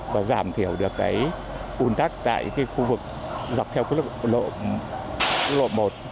và giảm thiểu được cái un tắc tại cái khu vực dọc theo cái lộ một